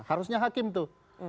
harusnya hakim tuh